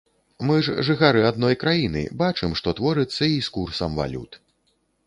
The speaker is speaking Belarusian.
Мы ж жыхары адной краіны, бачым, што творыцца і з курсам валют.